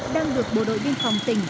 đang được bộ đội biên phòng tỉnh